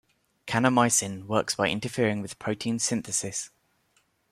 Kanamycin works by interfering with protein synthesis.